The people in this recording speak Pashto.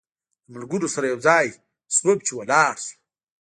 له ملګرو سره یو ځای شوم چې ولاړ شو.